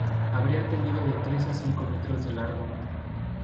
Habría tenido de tres a cinco metros de largo.